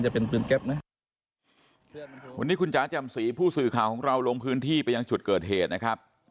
โดนนี้คุณคุณจ๋าจ่ำสีผู้สื่อข่าวของเราว่าลงพื้นที่ไปนับสรุปเกิดเหตุนะครับ